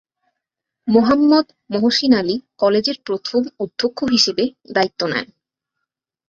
মোহাম্মদ মহসিন আলী কলেজের প্রথম অধ্যক্ষ হিসেবে দায়িত্ব নেন।